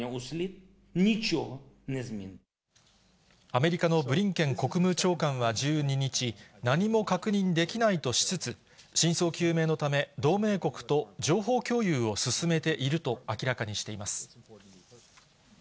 アメリカのブリンケン国務長官は１２日、何も確認できないとしつつ、真相究明のため、同盟国と情報共有を進めていると明らかにしています。